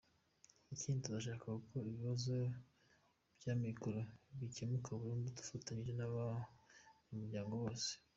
Ikindi, tuzashaka uko ibibazo by’amikoro bikemuka burundu dufatanyije n’abanyamuryango bose.